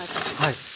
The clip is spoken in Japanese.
はい。